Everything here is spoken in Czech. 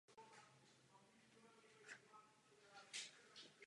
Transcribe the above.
Studovala na konzervatoři v Montreux.